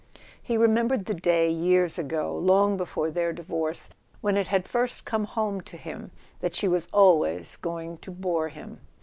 He remembered the day, years ago, long before their divorce, when it had first come home to him that she was always going to bore him.